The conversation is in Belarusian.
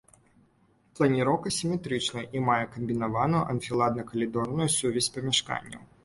Планіроўка сіметрычная і мае камбінаваную анфіладна-калідорную сувязь памяшканняў.